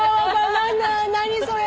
何それ。